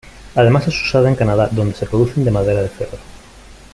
Además es usada en Canadá, donde se producen de madera de cedro.